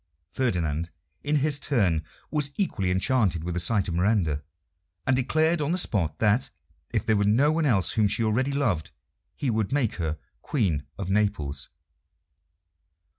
Ferdinand, in his turn, was equally enchanted with the sight of Miranda, and declared on the spot that, if there were no one else whom she already loved, he would make her Queen of Naples.